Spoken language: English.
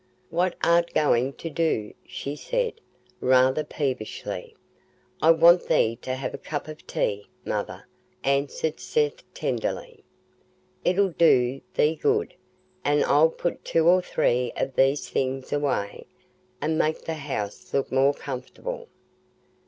"What art goin' to do?" she said, rather peevishly. "I want thee to have a cup of tea, Mother," answered Seth, tenderly. "It'll do thee good; and I'll put two or three of these things away, and make the house look more comfortable."